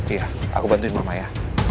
iya aku bantuin mama ya